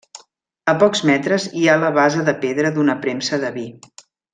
A pocs metres hi ha la base de pedra d'una premsa de vi.